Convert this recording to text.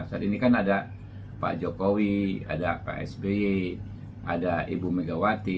saat ini kan ada pak jokowi ada pak sby ada ibu megawati